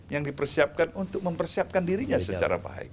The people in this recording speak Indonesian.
yang dipersiapkan untuk mempersiapkan dirinya secara baik